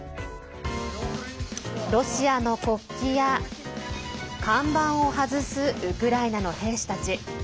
ロシアの国旗や看板を外すウクライナの兵士たち。